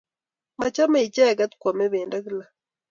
Machame icheket kwame pendo gila